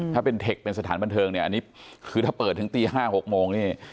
ถ้าเป็นเทคเป็นสถานบันเทิงเนี่ยอันนี้คือถ้าเปิดถึงตี๕๖โมงนี่